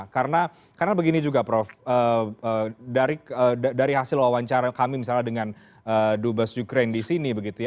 karena begini juga prof dari hasil wawancara kami misalnya dengan dubas ukraine di sini